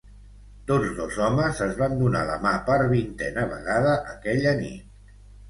Tots dos homes es van donar la mà per vintena vegada aquella nit.